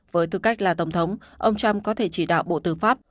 với tư cách là tổng thống ông trump có thể chỉ đạo bộ tư pháp